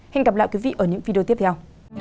hẹn gặp lại quý vị ở những video tiếp theo